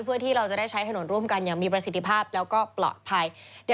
เพื่อที่เราจะได้ใช้ถนนร่วมกันอย่างมีประสิทธิภาพแล้วก็ปลอดภัย